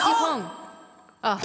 あっ！